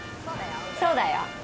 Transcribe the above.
そうだよ。